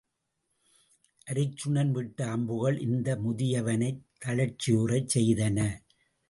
அருச்சுனன் விட்ட அம்புகள் இந்த முதியவனைத் தளர்ச்சியுறச் செய்தன.